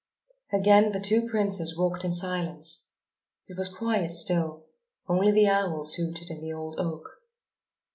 Again the two princes walked in silence. It was quite still, only the owls hooted in the old oak.